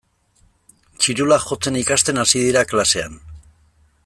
Txirula jotzen ikasten hasi dira klasean.